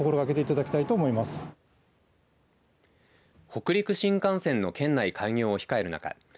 北陸新幹線の県内開業を控える中